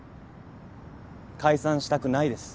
解散したくないです。